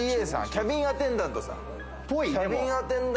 キャビンアテンダントさん？